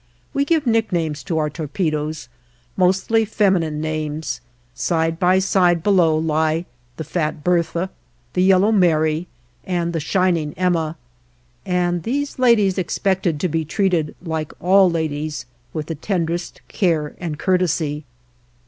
We give nicknames to our torpedoes, mostly feminine names: side by side below lie "the fat Bertha," "the yellow Mary," and "the shining Emma," and these ladies expected to be treated, like all ladies, with the tenderest care and courtesy.